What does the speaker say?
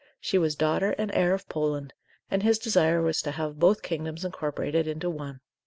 she was daughter and heir of Poland, and his desire was to have both kingdoms incorporated into one.